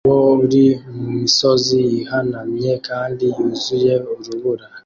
Umugabo uri mu misozi ihanamye kandi yuzuye urubura